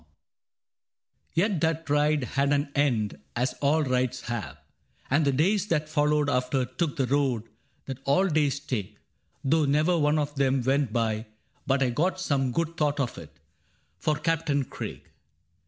II Yet that ride had an end, as all rides have ; And the days that followed after took the road That all days take, — though never one of them Went by but I got some good thought of it For Captain Craig.